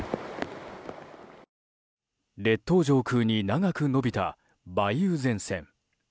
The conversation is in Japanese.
列島上空に長く延びた梅雨前線。